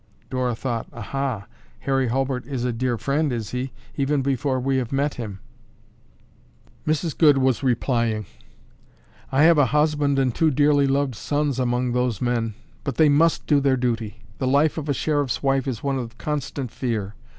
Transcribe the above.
Dora thought, "Aha! Harry Hulbert is a dear friend, is he, even before we have met him." Mrs. Goode was replying. "I have a husband and two dearly loved sons among those men, but, they must do their duty. The life of a sheriff's wife is one of constant fear.